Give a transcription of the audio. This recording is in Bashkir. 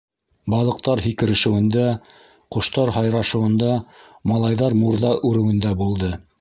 Балыҡтар һикерешеүендә, ҡоштар һайрашыуында, малайҙар мурҙа үреүендә булды.